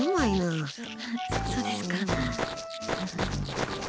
そうですか。